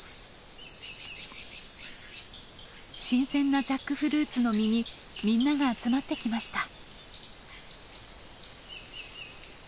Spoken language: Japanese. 新鮮なジャックフルーツの実にみんなが集まってきました。